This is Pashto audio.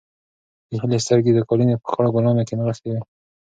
د هیلې سترګې د قالینې په خړو ګلانو کې نښتې وې.